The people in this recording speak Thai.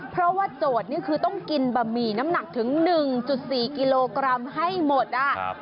เพราะว่าโจทย์นี่คือต้องกินบะหมี่น้ำหนักถึง๑๔กิโลกรัมให้หมดอ่ะ